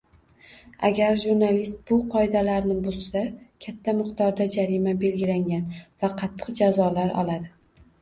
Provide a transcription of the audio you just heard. Agar jurnalist bu qoidalarni buzsa, katta miqdorda jarima belgilangan va qattiq jazolar oladi.